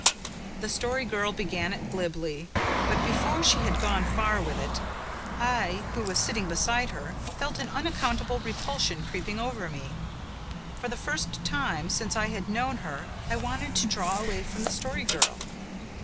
The Story Girl began it glibly. But before she had gone far with it, I, who was sitting beside her, felt an unaccountable repulsion creeping over me. For the first time since I had known her I wanted to draw away from the Story Girl.